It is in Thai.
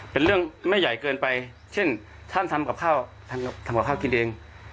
เป็นเรื่องไม่ใหญ่เกินไปเช่นท่านทำกับข้าวท่านทำกับข้าวกินเอง